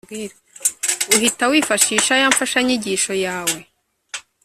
uhita wifashisha ya ‘mfashanyigisho’ yawe